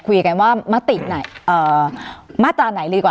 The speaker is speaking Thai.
คุยกันว่ามาตราไหน